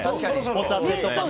ホタテとか。